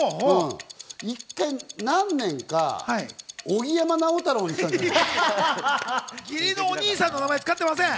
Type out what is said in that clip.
一回、何年かおぎ山直太朗にしたんじゃない？